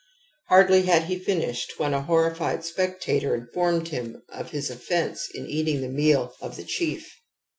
Hardly had he finished when a horrified spectator in formed him of his offence in eating the meal of the chief.